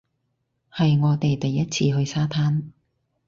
係我哋第一次去沙灘